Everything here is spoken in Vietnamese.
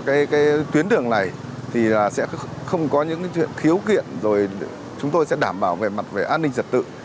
cái tuyến đường này thì sẽ không có những cái chuyện khiếu kiện rồi chúng tôi sẽ đảm bảo về mặt về an ninh trật tự